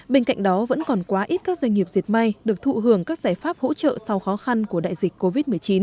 bên cạnh đó vẫn còn quá ít các doanh nghiệp diệt may được thụ hưởng các giải pháp hỗ trợ sau khó khăn của đại dịch covid một mươi chín